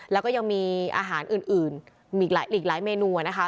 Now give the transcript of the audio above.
แล้วก็ยังมีอาหารอื่นอีกหลายเมนูนะคะ